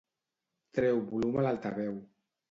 Treu volum a l'altaveu.